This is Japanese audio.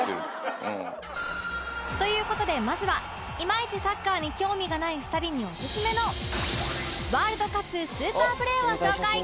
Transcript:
という事でまずはいまいちサッカーに興味がない２人にオススメのワールドカップスーパープレーを紹介！